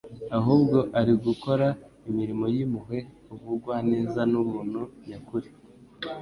ahubwo ari ugukora imirimo y'impuhwe, ubugwaneza n'ubuntu nyakuri.